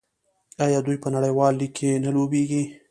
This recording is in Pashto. آیا دوی په نړیوال لیګ کې نه لوبېږي؟